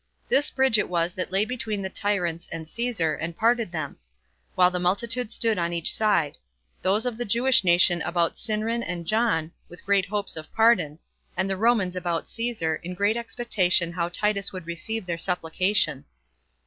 This bridge it was that lay between the tyrants and Caesar, and parted them; while the multitude stood on each side; those of the Jewish nation about Sinran and John, with great hopes of pardon; and the Romans about Caesar, in great expectation how Titus would receive their supplication.